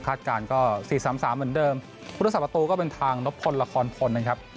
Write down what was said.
คาดการณ์ก็๔๓๓เหมือนเดิมผู้โทรศัพท์ประตูก็เป็นทางนพลละครพลนะครับ